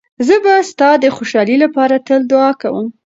زه به ستا د خوشحالۍ لپاره تل دعا کوم.